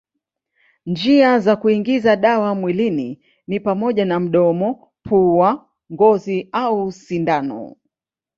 Njia za kuingiza dawa mwilini ni pamoja na mdomo, pua, ngozi au sindano.